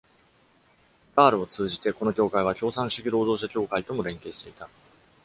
Brar を通じて、この協会は共産主義労働者協会とも連携していた。